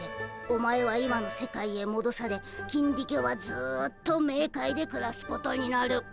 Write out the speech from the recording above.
お前は今の世界へもどされキンディケはずっとメーカイでくらすことになる。